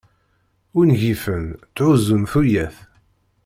Ungifen ttɛuzzun tuyat.